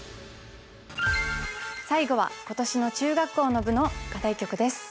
最後は今年の中学校の部の課題曲です。